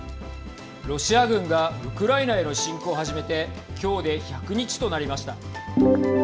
ロシア軍がウクライナへの侵攻を始めてきょうで１００日となりました。